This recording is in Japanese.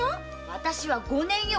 私は五年よ。